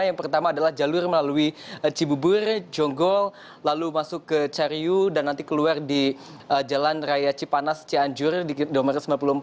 yang pertama adalah jalur melalui cibubur jonggol lalu masuk ke cariw dan nanti keluar di jalan raya cipanas cianjur di kilometer sembilan puluh empat